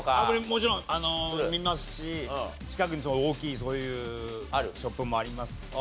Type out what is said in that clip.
もちろん見ますし近くに大きいそういうショップもありますけど。